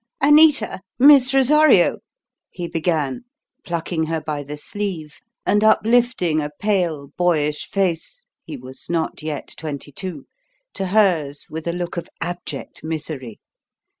"Anita Miss Rosario!" he began, plucking her by the sleeve and uplifting a pale, boyish face he was not yet twenty two to hers with a look of abject misery.